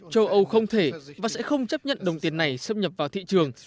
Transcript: châu âu không thể và sẽ không chấp nhận đồng tiền này xâm nhập vào thị trường